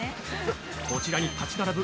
こちらに立ち並ぶ